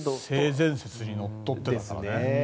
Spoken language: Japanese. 性善説にのっとってるからね。